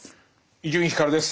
伊集院光です。